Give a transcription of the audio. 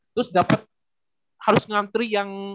terus dapet harus ngantri yang